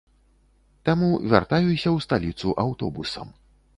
Таму вяртаюся ў сталіцу аўтобусам.